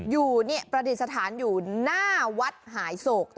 อยู่ประดิษฐานอยู่หน้าวัดหายโศก